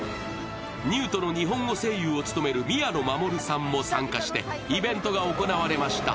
ニュートの日本語声優を務める宮野真守さんも参加してイベントが行われました。